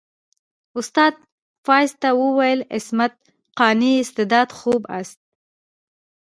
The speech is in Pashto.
استاد فایز ته وویل عصمت قانع استعداد خوب است.